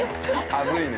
恥ずいね。